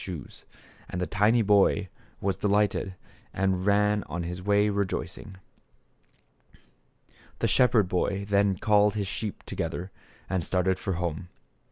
57 shoes. And the tiny boy was delighted and ran on his way rejoicing. The shepherd boy then called his sheep to gether and started for home.